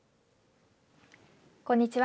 こんにちは。